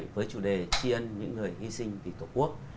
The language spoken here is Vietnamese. với chủ đề tri ân những người hy sinh vì tổ quốc